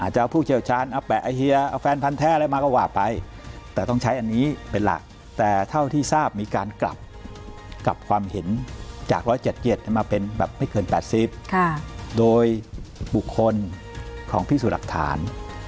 เห็นจาก๑๗๗มาเป็นแบบไม่เกิน๘๐โดยบุคคลของพิสูจน์หลักฐาน